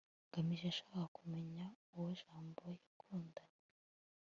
ngamije yashakaga kumenya uwo jabo yakundanye